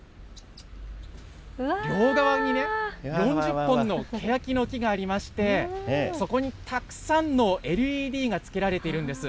両側にね、４０本のけやきの木がありまして、そこにたくさんのＬＥＤがつけられているんです。